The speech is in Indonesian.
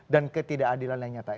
dan ketidakadilan yang nyata